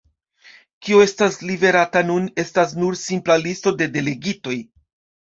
Kio estas liverata nun, estas nur simpla listo de delegitoj.